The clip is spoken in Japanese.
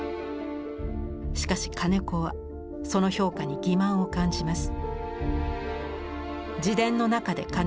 しかし金子はその評価に欺まんを感じます。